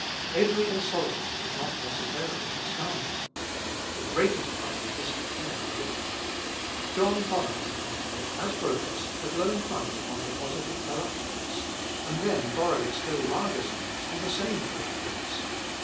Every insolvent is not necessarily a scoundrel. The greatest crime is to fail rich. John Bonner & Co., as brokers, had loaned money on deposited collaterals, and then borrowed still larger sums on the same collaterals.